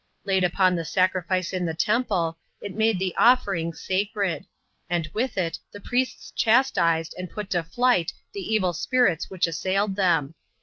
Laid upon the sacrifice in the temple, it made the offering sacred; and with it the priests chastised and put to flight the evil spirits which assailed them.